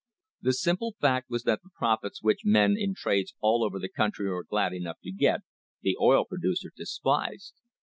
The simple fact was that the profits which men in trades all over the country were glad enough to get, the oil producer despised.